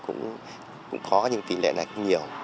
cũng có những tỷ lệ này cũng nhiều